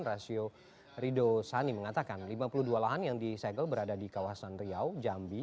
rasio rido sani mengatakan lima puluh dua lahan yang disegel berada di kawasan riau jambi